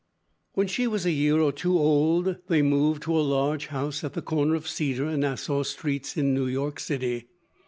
When she was a year or two old, they moved to a large house at the corner of Cedar and Nassau Streets, in New York City.